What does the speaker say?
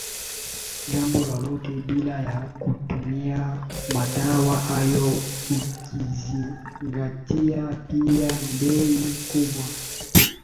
jambo lolote bila ya kutumia madawa hayo Ukizingatia pia bei kubwa